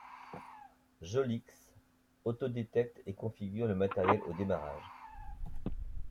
Jollix autodétecte et configure le matériel au démarrage.